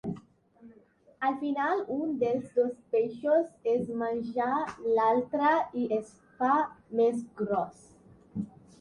Al final, un dels dos peixos es menja l'altre i es fa més gros.